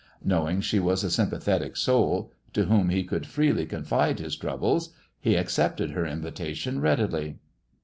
Knowing she was a sympathetic soul, to whom he could freely confide his troubles, he accepted her invitation readily.